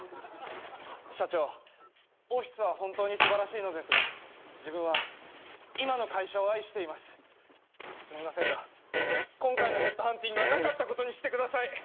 社長オフィスは本当にすばらしいのですが自分は今の会社を愛していますすみませんが今回のヘッドハンティングはなかったことにしてください！